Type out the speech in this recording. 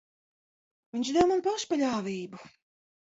Viņš deva man pašpaļāvību.